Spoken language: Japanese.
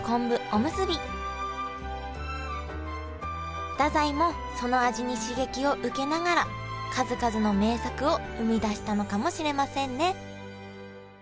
おむすび太宰もその味に刺激を受けながら数々の名作を生み出したのかもしれませんね